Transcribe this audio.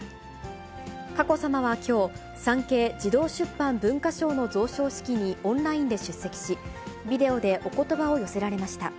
佳子さまはきょう、産経児童出版文化賞の贈賞式にオンラインで出席し、ビデオで、おことばを寄せられました。